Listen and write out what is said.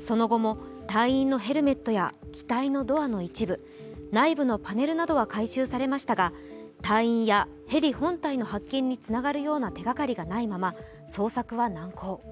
その後も隊員のヘルメットや機体のドアの一部、内部のパネルなどは回収されましたが、隊員やヘリ本体の発見につながるような手がかりがないまま捜索は難航。